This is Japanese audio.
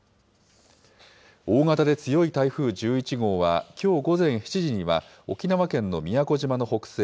大型で強い台風１１号は、きょう午前７時には沖縄県の宮古島の北西